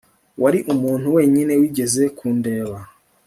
wari umuntu wenyine wigeze kundeba